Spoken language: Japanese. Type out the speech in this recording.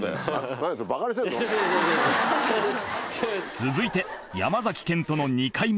続いて山賢人の２回目